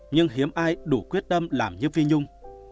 nhưng hiếm ai đủ quyết tâm làm như phi nhung